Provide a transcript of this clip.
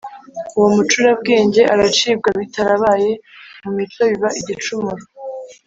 uwo mucurabwenge aracibwa bitarabaye mu muco biba igicumuro